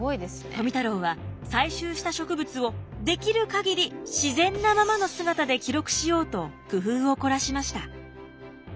富太郎は採集した植物をできる限り自然なままの姿で記録しようと工夫を凝らしました。